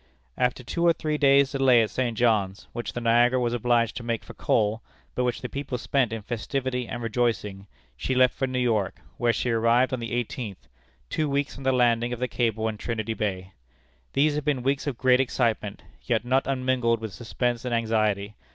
After two or three days' delay at St. John's, which the Niagara was obliged to make for coal, but which the people spent in festivity and rejoicing, she left for New York, where she arrived on the eighteenth two weeks from the landing of the cable in Trinity Bay. These had been weeks of great excitement, yet not unmingled with suspense and anxiety.